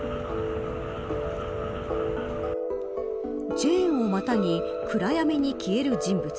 チェーンをまたぎ暗闇に消える人物。